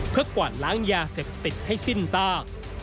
เพื่อกวาดล้างยาเสพติดให้สิ้นซาก